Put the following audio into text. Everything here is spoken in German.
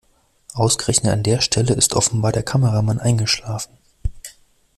Ausgerechnet an der Stelle ist offenbar der Kameramann eingeschlafen.